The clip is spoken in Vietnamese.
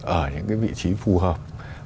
ở những vị trí phù hợp